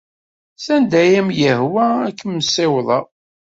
Sanda ay am-yehwa ad kem-ssiwḍeɣ.